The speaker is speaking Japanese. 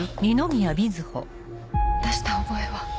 出した覚えは。